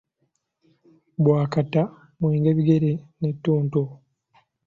Bbwakata, mwenge bigere ne ttonto.